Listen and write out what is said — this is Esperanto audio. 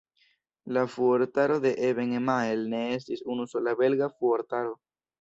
La fuortaro de Eben-Emael ne estis unusola belga fuortaro.